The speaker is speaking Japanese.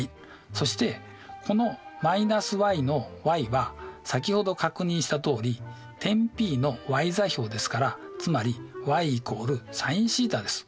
そしてこの−ｙのｙは先ほど確認したとおり点Ｐのｙ座標ですからつまりｙ＝ｓｉｎθです。